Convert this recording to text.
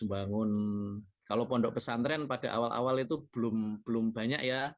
membangun kalau pondok pesantren pada awal awal itu belum banyak ya